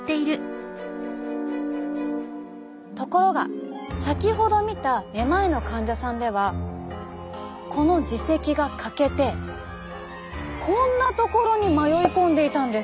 ところが先ほど見ためまいの患者さんではこの耳石が欠けてこんな所に迷い込んでいたんです。